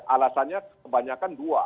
alasannya kebanyakan dua